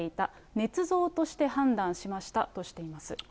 ねつ造として判断しましたとしています。